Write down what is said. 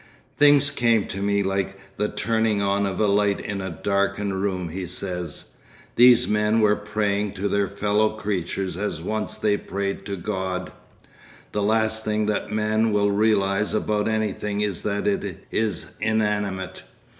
'Things came to me like the turning on of a light in a darkened room,' he says. 'These men were praying to their fellow creatures as once they prayed to God! The last thing that men will realise about anything is that it is inanimate.